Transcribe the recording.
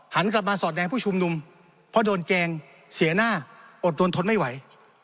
หันกลับมาสอดแดงผู้ชุมนุมเพราะโดนแกล้งเสียหน้าอดรนทนไม่ไหว